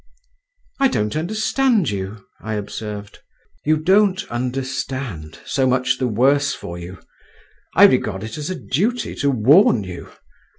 "I don't understand you," I observed. "You don't understand? so much the worse for you. I regard it as a duty to warn you.